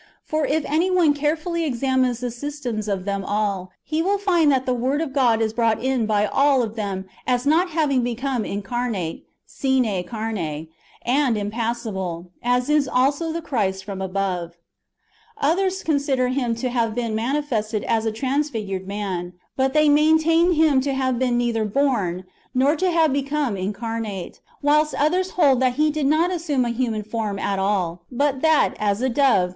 For if any one carefully examines the systems of them all, he will find that the Word of God is brought in by all of them as not having become incarnate (sine came) and impassible, as is also the Christ from above. 1 John i. 10, 11. 2 John i. 14. T 290 lEENJEJJS AGAINST HERESIES. [Book iii. Others consider Him to have been manifested as a trans figured man ; but they maintain Him to have been neither born nor to have become incarnate ; whilst others [hold] that He did not assume a human form at all, but that, as a dove.